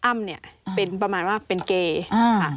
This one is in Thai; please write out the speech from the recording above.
อ้ำเนี่ยเป็นประมาณว่าเป็นเกย์ค่ะ